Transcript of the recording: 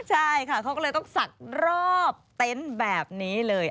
ใช่ค่ะเขาก็เลยต้องศักดิ์รอบเต็นต์แบบนี้เลย